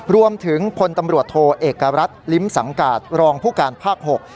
รวมถึงพลตำรวจโทรเอกรัฐลิมสังการภูการภาคหก